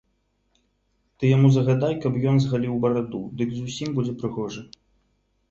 Ты яму загадай, каб ён згаліў бараду, дык зусім будзе прыгожы.